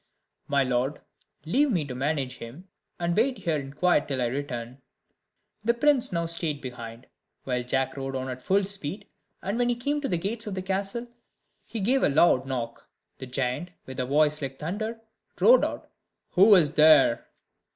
"My lord, leave me to manage him, and wait here in quiet till I return." The prince now stayed behind, while Jack rode on at full speed; and when he came to the gates of the castle, he gave a loud knock. The giant, with a voice like thunder, roared out, "Who is there?"